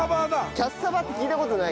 キャッサバって聞いた事ない？